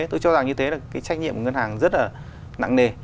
tôi cho rằng như thế là cái trách nhiệm của ngân hàng rất là nặng nề